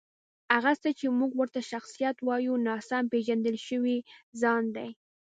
هغه څه چې موږ ورته شخصیت وایو، ناسم پېژندل شوی ځان دی.